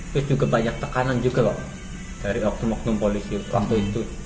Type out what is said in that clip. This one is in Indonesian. terus juga banyak tekanan juga dari waktu waktu polisi waktu itu